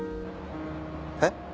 えっ？